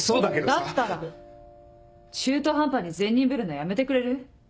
だったら中途半端に善人ぶるのやめてくれる？